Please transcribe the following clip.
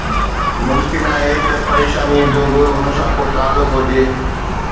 ممڪن آهي ته پريشانيءَ جو به ان سان ڪو تعلق هجي